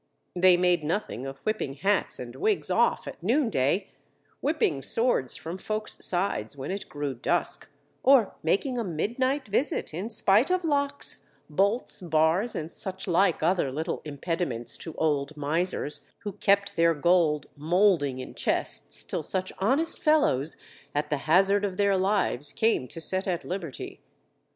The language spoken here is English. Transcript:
They made nothing of whipping hats and wigs off at noon day; whipping swords from folks' sides when it grew dusk; or making a midnight visit, in spite of locks, bolts, bars, and such like other little impediments to old misers, who kept their gold molding in chests till such honest fellows, at the hazard of their lives, came to set at liberty.